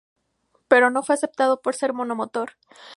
Pero no fue aceptado por ser monomotor.